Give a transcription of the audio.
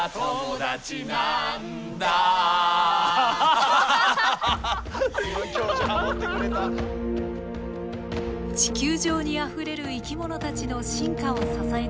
地球上にあふれる生き物たちの進化を支えてきた微生物。